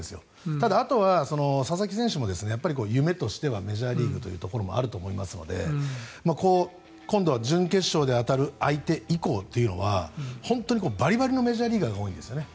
ただ、あとは佐々木選手も夢としてはメジャーリーグというところもあると思いますので今度、準決勝で当たる相手以降というのは本当にバリバリのメジャーリーガーが多いんです。